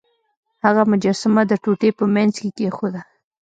هغه مجسمه د ټوټې په مینځ کې کیښوده.